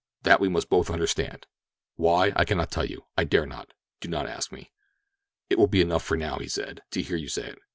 That we must both understand. Why, I cannot tell you—I dare not. Do not ask me." "It will be enough for now," he said, "to hear you say it.